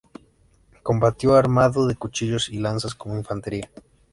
Combatió armado de cuchillos y lanzas como infantería.